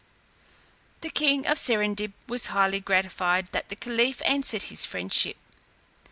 The king of Serendib was highly gratified that the caliph answered his friendship.